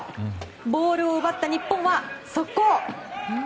ボールを奪った日本は速攻！